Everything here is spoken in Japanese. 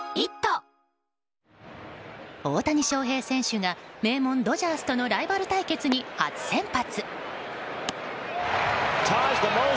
大谷翔平選手が名門ドジャースとのライバル対決に初先発。